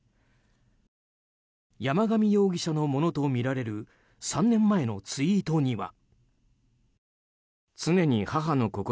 山上容疑者のものとみられる３年前のツイートには。